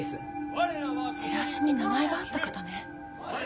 チラシに名前があった方ね。